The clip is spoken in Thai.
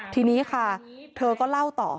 ทีนี้ค่ะเธอก็เล่าต่อ